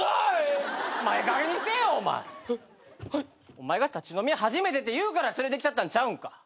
お前が立ち飲み屋初めてっていうから連れてきたったんちゃうんか。